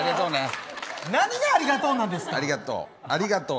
何がありがとうなんですか。